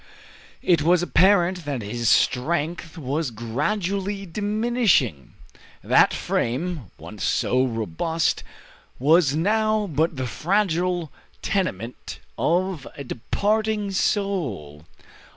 It was apparent that his strength was gradually diminishing. That frame, once so robust, was now but the fragile tenement of a departing soul.